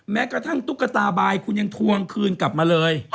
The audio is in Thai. แม้กระทั่งตุ๊กตาบายคุณยังทวงคืนกลับมาเลย